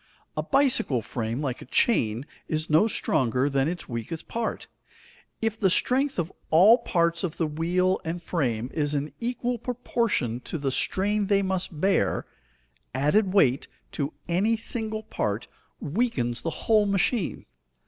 A bicycle frame, like a chain, is no stronger than its weakest part. If the strength of all parts of the wheel and frame is in equal proportion to the strain they must bear, added weight to any single part weakens the whole machine.